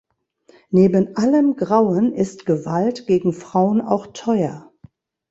Neben allem Grauen ist Gewalt gegen Frauen auch teuer.